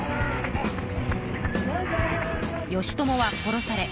義朝は殺され